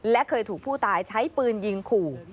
และเคยถูกผู้ตายใช้ปืนยิงขู่